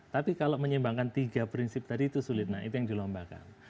tapi kalau menyimbangkan tiga prinsip tadi itu sulit nah itu yang dilombakan